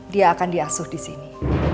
dia akan diasuh di sini